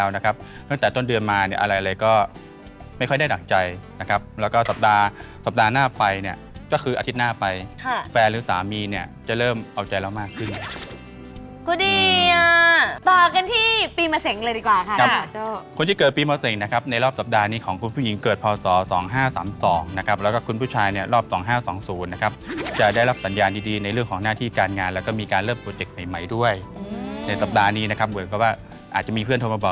นะครับตั้งแต่ต้นเดือนมาเนี่ยอะไรอะไรก็ไม่ค่อยได้หนักใจนะครับแล้วก็สัปดาห์สัปดาห์หน้าไปเนี่ยก็คืออาทิตย์หน้าไปค่ะแฟนหรือสามีเนี่ยจะเริ่มเอาใจเรามากขึ้นกูดีอ่ะต่อกันที่ปีเมื่อเส็งเลยดีกว่าค่ะครับค่ะโจ้คนที่เกิดปีเมื่อเส็งนะครับในรอบสัปดาห์นี้ของคุณผู้หญิงเกิดพาวส